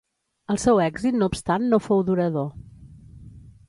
El seu èxit no obstant no fou durador.